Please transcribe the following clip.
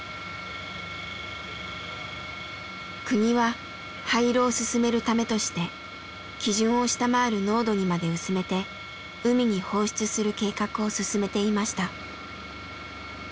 国は廃炉を進めるためとして基準を下回る濃度にまで薄めて海に放出する計画を進めていました。